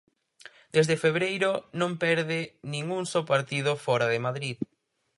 Desde Febreiro non perde nin un só partido fóra de Madrid.